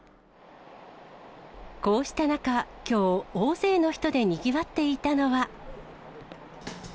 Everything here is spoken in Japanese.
こうした中、きょう、大勢の人でにぎわっていたのは。